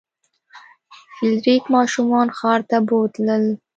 فلیریک ماشومان ښار ته بوتلل.